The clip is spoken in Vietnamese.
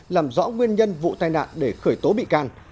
làm rõ nguyên nhân vụ tai nạn để khởi tố bị can